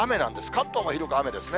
関東も広く雨ですね。